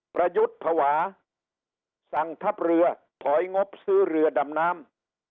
ประยุทธ์ภาวะสั่งทัพเรือถอยงบซื้อเรือดำน้ำ